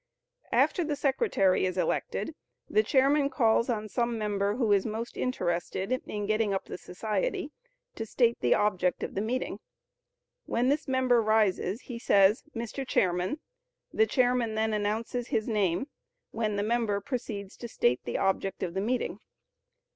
After the secretary is elected, the chairman calls on some member who is most interested in getting up the society, to state the object of the meeting. When this member rises he says, "Mr. Chairman;" the chairman then announces his name, when the member proceeds to state the object of the meeting.